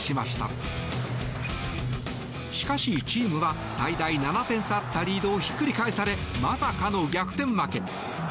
しかし、チームは最大７点差あったリードをひっくり返されまさかの逆転負け。